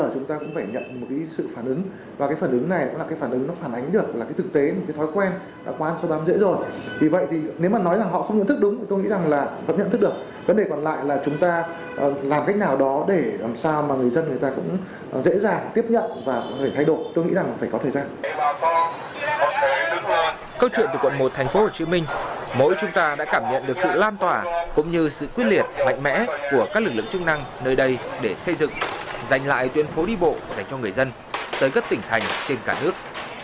câu chuyện từ quận một thành phố hồ chí minh mỗi chúng ta đã cảm nhận được sự lan tỏa cũng như sự quyết liệt mạnh mẽ của các lực lượng chức năng nơi đây để xây dựng dành lại tuyên phố đi bộ dành cho người dân tới các tỉnh thành trên cả nước